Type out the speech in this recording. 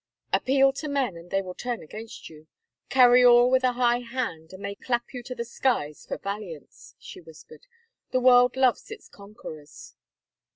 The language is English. " Appeal to men and they will turn against you — carcy all with a high hand and they clap you to the skies for valiance," she whispered. "The world loves its con querors."